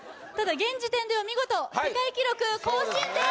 現時点では見事世界記録更新です！